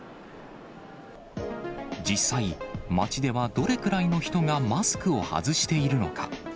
実際、街ではどれくらいの人がマスクを外しているのか。